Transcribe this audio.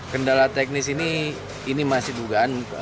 kendala teknis ini ini masih dugaan